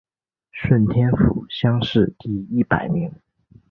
顺天府乡试第一百名。